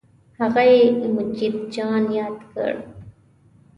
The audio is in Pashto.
هغه یې مجید جان یاد کړ.